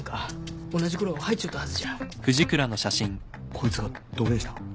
こいつがどげんした？